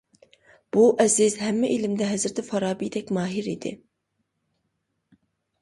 بۇ ئەزىز ھەممە ئىلىمدە ھەزرىتى فارابىدەك ماھىر ئىدى.